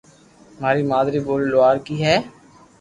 مارو مادري ٻولي لوھارڪي ھي